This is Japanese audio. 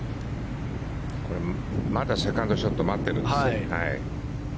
これ、まだセカンドショットを待ってるんですね。